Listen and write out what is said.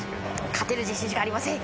勝てる自信しかありません。